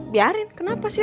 biarin kenapa sih